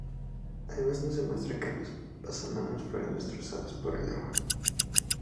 Además no se muestra que los pasamanos fueron destrozados por el agua.